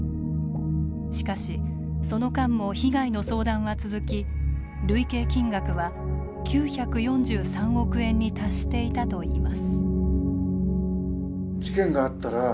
しかしその間も被害の相談は続き累計金額は９４３億円に達していたといいます。